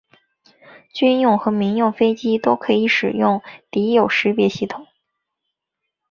军用和民用飞机都可以使用敌友识别系统。